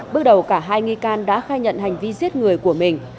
bước đầu cả hai nghi can đã khai nhận hành vi giết người của mình